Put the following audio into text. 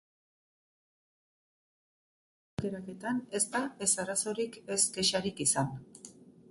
Material aukeraketan ez da ez arazorik ez kexarik izan.